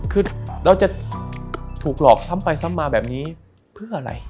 คือเราจะถูกหลอกซ้ำไปซ้ำมาแบบนี้เพื่ออะไร